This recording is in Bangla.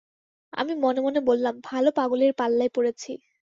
আমি মনে-মনে বললাম, ভালো পাগলের পাল্লায় পড়েছি।